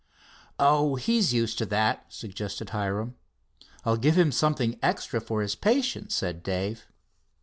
"Oh, he's used to that," suggested Hiram. "I'll give him something extra for his patience," said Dave.